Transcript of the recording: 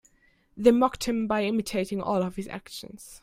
They mocked him by imitating all of his actions.